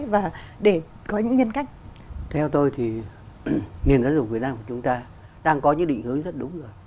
và để có những nhân cách theo tôi thì nền giáo dục việt nam của chúng ta đang có những định hướng rất đúng rồi